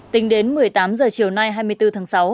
tính đến một mươi tám h chiều nay hai mươi bốn tháng sáu